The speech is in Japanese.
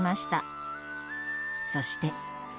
そして。